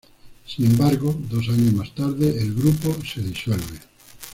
Sin embargo dos años más tarde el grupo se disuelve.